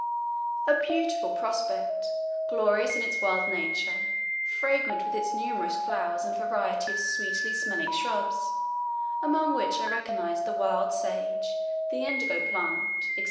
A beautiful prospect, glorious in its wild nature, fragrant with its numerous flowers and variety of sweetly smelling shrubs, among which I recognised the wild sage, the indigo plant, &c.